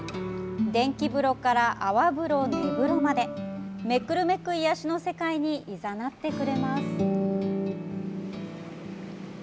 電気風呂から泡風呂、寝風呂までめくるめく癒やしの世界にいざなってくれます。